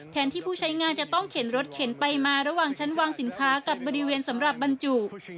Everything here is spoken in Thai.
ที่ผู้ใช้งานจะต้องเข็นรถเข็นไปมาระหว่างชั้นวางสินค้ากับบริเวณสำหรับบรรจุ